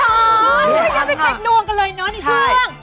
โอ้ยได้ไปเช็คนวงกันเลยเนอะในช่วง